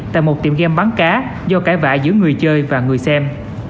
tại một tiệm game bắn cá do cãi vã giữa người chơi và người xem